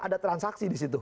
ada transaksi di situ